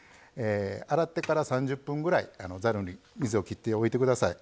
洗ってから３０分ぐらいざるに水をきっておいてください。